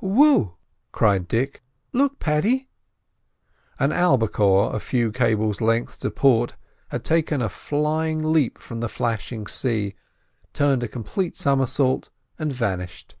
"Whoop!" cried Dick. "Look, Paddy!" An albicore a few cables lengths to port had taken a flying leap from the flashing sea, turned a complete somersault and vanished.